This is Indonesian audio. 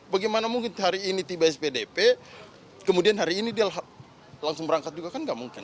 bagaimana mungkin hari ini tiba spdp kemudian hari ini dia langsung berangkat juga kan nggak mungkin